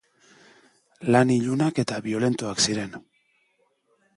Lan ilunak eta biolentoak ziren.